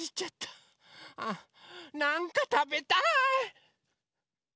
なんかたべたい！